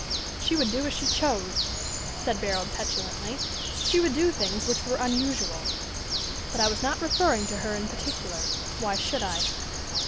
"She would do as she chose," said Barold petulantly. "She would do things which were unusual; but I was not referring to her in particular. Why should I?"